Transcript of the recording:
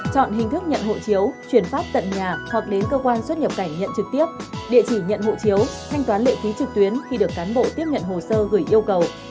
chọn hình thức nhận hộ chiếu chuyển pháp tận nhà hoặc đến cơ quan xuất nhập cảnh nhận trực tiếp địa chỉ nhận hộ chiếu thanh toán lệ phí trực tuyến khi được cán bộ tiếp nhận hồ sơ gửi yêu cầu